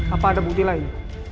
apa ada bukti lain